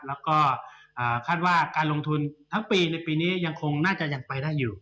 แล้วก็คาดว่าการลงทุนทั้งปีในปีนี้ยังคงน่าจะยังไปได้อยู่